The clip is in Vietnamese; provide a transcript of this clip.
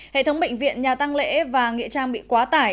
hệ thống bệnh viện nhà tăng lễ và nghệ trang bị quá tải